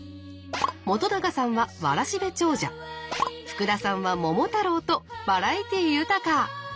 本さんは「わらしべ長者」福田さんは「桃太郎」とバラエティー豊か。